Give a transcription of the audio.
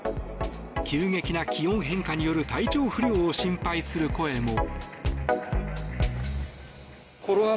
急激な気温変化による体調不良を心配する声も。